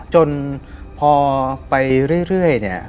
จนพอไปเรื่อยเนี่ย